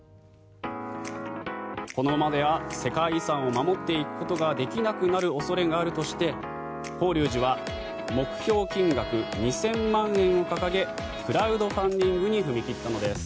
このままでは世界遺産を守っていくことができなくなる恐れがあるとして法隆寺は目標金額２０００万円を掲げクラウドファンディングに踏み切ったのです。